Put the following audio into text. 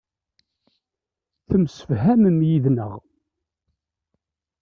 Ttemsefhamen yid-neɣ.